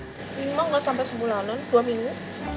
ini mah enggak sampai sebulanan dua minggu